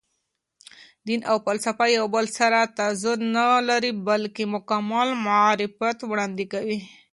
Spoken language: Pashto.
دین او فلسفه یو بل سره تضاد نه لري، بلکې مکمل معرفت وړاندې کوي.